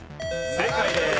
正解です。